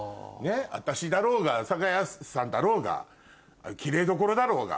私だろうが阿佐ヶ谷さんだろうがきれいどころだろうが。